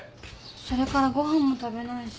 それからご飯も食べないし。